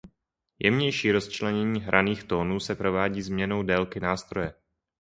Jemnější rozčlenění hraných tónů se provádí změnou délky nástroje.